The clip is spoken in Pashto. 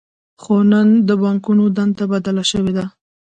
خو نن د بانکونو دنده بدله شوې ده